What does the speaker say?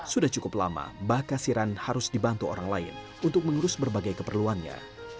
sudah cukup lama mbah kasiran harus dibantu orang lain untuk mengurus berbagai keperluannya